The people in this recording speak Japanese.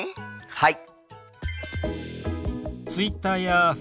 はい。